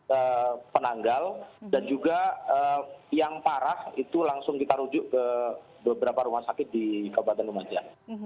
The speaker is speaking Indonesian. ke penanggal dan juga yang parah itu langsung kita rujuk ke beberapa rumah sakit di kabupaten lumajang